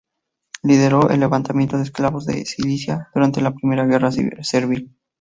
Lideró el levantamiento de esclavos de Sicilia durante la primera guerra servil.